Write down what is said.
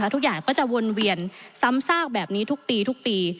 ทุกอย่างก็จะวนเวียนซ้ำซากแบบนี้ทุกปีทุกปี